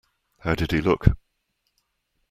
How did he look?